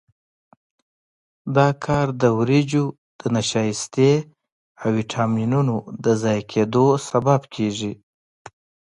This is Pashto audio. دا کار د وریجو د نشایستې او ویټامینونو د ضایع کېدو سبب کېږي.